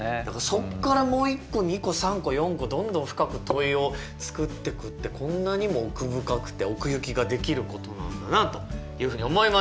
そこからもう１個２個３個４個どんどん深く問いを作ってくってこんなにも奥深くて奥行きが出来ることなんだなというふうに思いました。